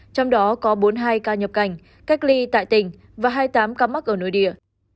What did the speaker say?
trong đó có bốn mươi hai ca nhập cảnh cách ly tại tỉnh và hai mươi tám ca mắc ở nơi địa